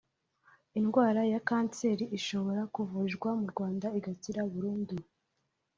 Indwara ya kanseri ishobora kuvurirwa mu Rwanda igakira burundu